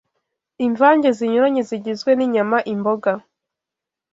Imvange zinyuranye zigizwe n’inyama, imboga